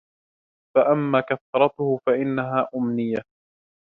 فَأَمَّا كَثْرَتُهُ فَإِنَّهَا أُمْنِيَةٌ